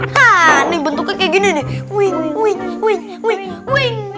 hah nih bentuknya kayak gini nih wih wih wih wih wih